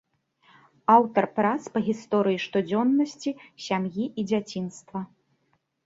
Аўтар прац па гісторыі штодзённасці, сям'і і дзяцінства.